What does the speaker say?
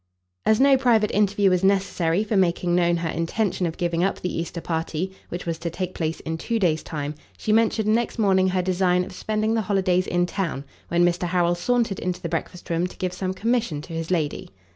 As no private interview was necessary for making known her intention of giving up the Easter party, which was to take place in two days' time, she mentioned next morning her design of spending the holidays in town, when Mr Harrel sauntered into the breakfast room to give some commission to his lady.